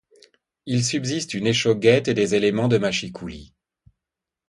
Il subsiste une échauguette et des éléments de machicoulis.